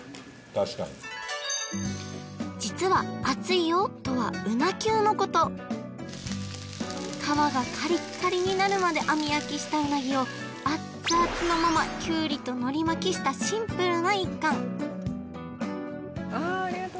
確かに実は「熱いよ」とはうなきゅうのこと皮がカリッカリになるまで網焼きしたうなぎをアッツアツのままきゅうりと海苔巻きしたシンプルな一貫ああありがとう